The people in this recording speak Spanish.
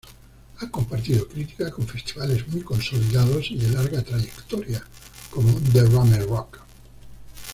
Ha compartido crítica con festivales muy consolidados y de larga trayectoria como Derrame Rock.